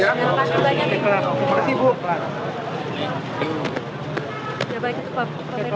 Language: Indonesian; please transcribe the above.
ya baik itu pak